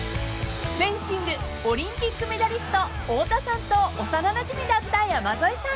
［フェンシングオリンピックメダリスト太田さんと幼なじみだった山添さん］